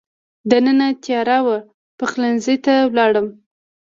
دننه تېاره وه، پخلنځي ته ولاړم.